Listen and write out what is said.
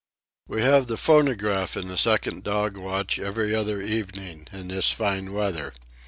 We have the phonograph in the second dog watch every other evening in this fine weather.